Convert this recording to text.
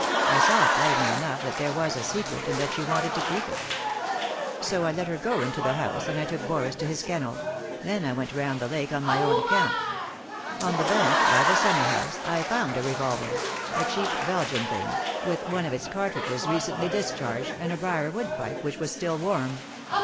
I saw plainly enough that there was a secret, and that she wanted to keep it So I let her go into the house, and I took Boris to his kennel ; then I went round the lake on my own account On the bank, by the summer house, I found a revolver — a cheap Belgian thing — with one of its 262 3i 9 iii^d by Google THE INTERRUPTED KISS cartridges recently discharged, and a briar wood pipe, which was still warm.